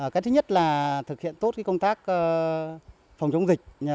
cái thứ nhất là thực hiện tốt công tác phòng chống dịch